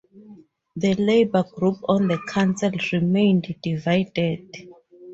The Labour group on the council remained divided.